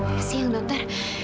selamat siang dokter